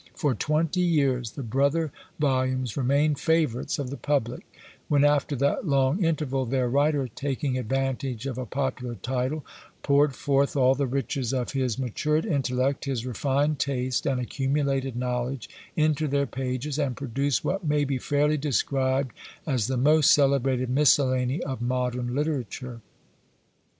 For twenty years the brother volumes remained favourites of the public; when after that long interval their writer, taking advantage of a popular title, poured forth all the riches of his matured intellect, his refined taste, and accumulated knowledge into their pages, and produced what may be fairly described as the most celebrated Miscellany of Modern Literature.